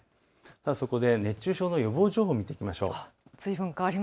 そこで熱中症の予防情報を見ていきましょう。